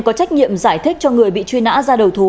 có trách nhiệm giải thích cho người bị truy nã ra đầu thú